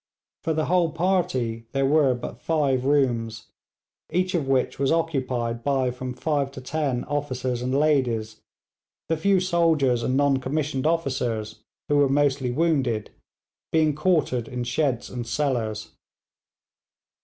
For the whole party there were but five rooms, each of which was occupied by from five to ten officers and ladies, the few soldiers and non commissioned officers, who were mostly wounded, being quartered in sheds and cellars.